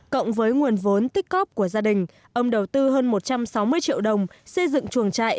cộng với nguồn vốn tích cóp của gia đình ông đầu tư hơn một trăm sáu mươi triệu đồng xây dựng chuồng trại